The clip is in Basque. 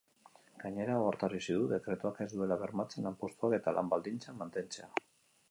Gainera, ohartarazi du dekretuak ez duela bermatzen lanpostuak eta lan-baldintzak mantentzea.